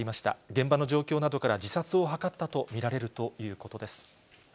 現場の状況などから自殺を図ったと見られるということです。